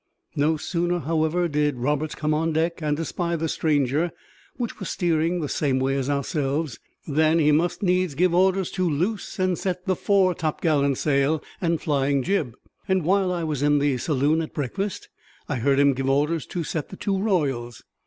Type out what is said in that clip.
No sooner, however, did Roberts come on deck and espy the stranger which was steering the same way as ourselves than he must needs give orders to loose and set the fore topgallantsail and flying jib; and while I was in the saloon at breakfast, I heard him give orders to set the two royals.